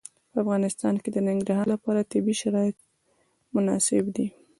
په افغانستان کې د ننګرهار لپاره طبیعي شرایط مناسب دي.